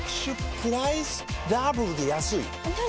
プライスダブルで安いＮｏ！